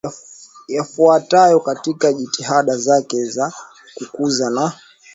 yafuatayo katika jitihada zake za kukuza na